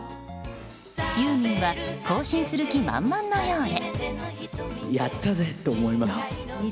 ユーミンは更新する気満々のようで。